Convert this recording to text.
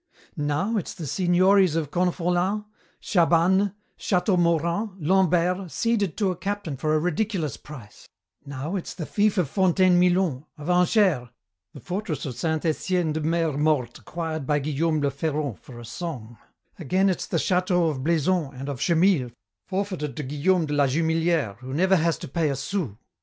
"Now it's the signories of Confolens, Chabanes, Châteaumorant, Lombert, ceded to a captain for a ridiculous price; now it's the fief of Fontaine Milon, of Angers, the fortress of Saint Etienne de Mer Morte acquired by Guillaume Le Ferron for a song; again it's the châteaux of Blaison and of Chemille forfeited to Guillaume de la Jumelière who never has to pay a sou.